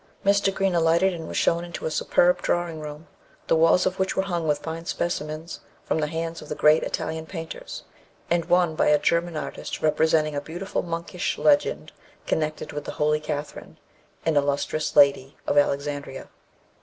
Mr. Green alighted and was shown into a superb drawing room, the walls of which were hung with fine specimens from the hands of the great Italian painters, and one by a German artist representing a beautiful monkish legend connected with "The Holy Catherine," an illustrious lady of Alexandria.